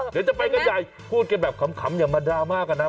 เดี๋ยวจะไปกันใหญ่พูดกันแบบขำอย่ามาดราม่ากันนะ